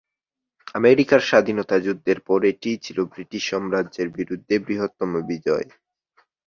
আমেরিকার স্বাধীনতা যুদ্ধের পর এটিই ছিল ব্রিটিশ সাম্রাজ্যের বিরুদ্ধে বৃহত্তম বিজয়।